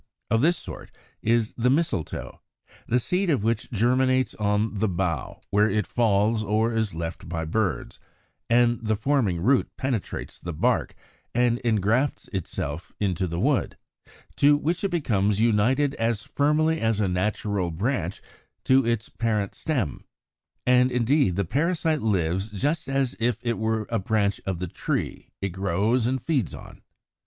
Of this sort is the Mistletoe, the seed of which germinates on the bough where it falls or is left by birds; and the forming root penetrates the bark and engrafts itself into the wood, to which it becomes united as firmly as a natural branch to its parent stem; and indeed the parasite lives just as if it were a branch of the tree it grows and feeds on.